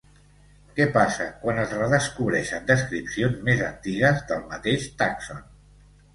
Què passa quan es redescobreixen descripcions més antigues del mateix tàxon?